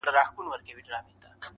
زه د محتسب په غلیمانو کي ښاغلی یم -